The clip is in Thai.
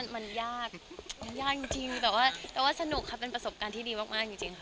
มันยากมันยากจริงแต่ว่าสนุกค่ะเป็นประสบการณ์ที่ดีมากจริงค่ะ